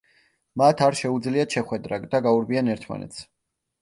მათ არ შეუძლიათ შეხვედრა და გაურბიან ერთმანეთს.